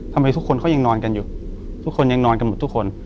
ทำไมทุกคนเขายังนอนกันอยู่ทุกคนยังนอนกันหมดทุกคน